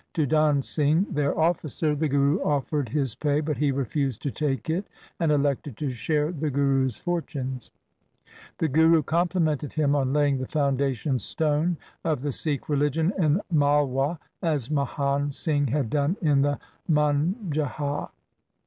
To Dan Singh, their officer, the Guru offered his pay, but he refused to take it and elected to share the Guru's fortunes. The Guru complimented him on laying the founda tion stone of the Sikh religion in Malwa as Mahan Singh had done in the Manjha.